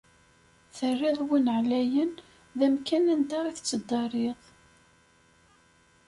Terriḍ win εlayen d amkan anda i tettdariḍ.